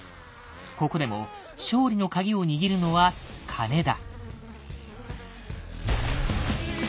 ここでも勝利の鍵を握るのは金だ。